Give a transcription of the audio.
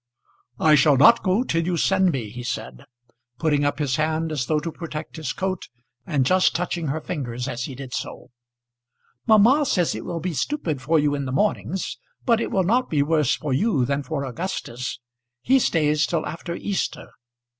"I shall not go till you send me," he said, putting up his hand as though to protect his coat, and just touching her fingers as he did so. "Mamma says it will be stupid for you in the mornings, but it will not be worse for you than for Augustus. He stays till after Easter."